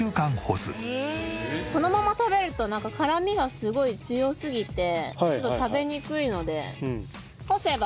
このまま食べると辛みがすごい強すぎてちょっと食べにくいので。